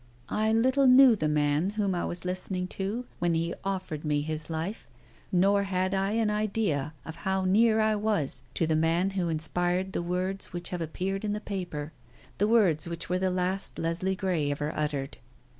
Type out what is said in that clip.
"I little knew the man whom I was listening to when he offered me his life, nor had I an idea of how near I was to the man who inspired the words which have appeared in the paper the words which were the last Leslie Grey ever uttered.